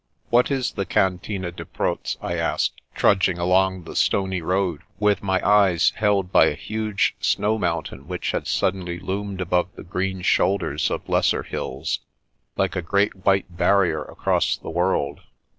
" What is the Cantine de Proz ?" I asked, trudg ing along the stony road, with my eyes held by a huge snow mountain which had suddenly loomed above the green shoulders of lesser hills, like a great white barrier across the world.